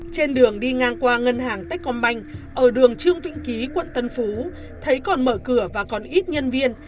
trên đường đi ngang qua ngân hàng tết còn banh ở đường trương vĩnh ký quận tân phú thấy còn mở cửa và còn ít nhân viên